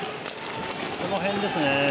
この辺ですね。